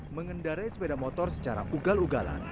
mengendarai sepeda motor secara ugal ugalan